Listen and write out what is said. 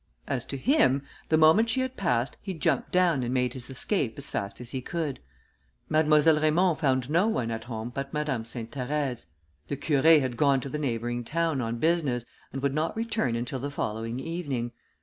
As to him, the moment she had passed, he jumped down and made his escape as fast as he could. Mademoiselle Raymond found no one at home but Madame Sainte Therèse. The Curé had gone to the neighbouring town on business, and would not return until the following evening.